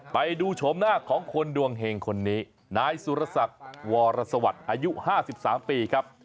ไปดูโฉมหน้าของคนดวงเห็งคนนี้นายสุรศักดิ์วรสวัสดิ์อายุ๕๓ปีครับ